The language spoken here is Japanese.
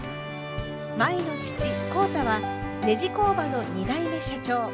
舞の父浩太はネジ工場の２代目社長。